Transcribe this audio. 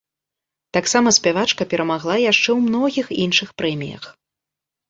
Таксама спявачка перамагла яшчэ ў многіх іншых прэміях.